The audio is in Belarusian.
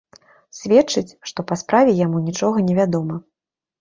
Сведчыць, што па справе яму нічога не вядома.